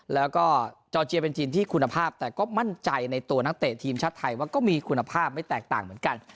แล้วก็จอร์เจียเป็นทีมที่คุณภาพแต่ก็มั่นใจในตัวนักเตะทีมชาติไทยว่าก็มีคุณภาพไม่แตกต่างเหมือนกัน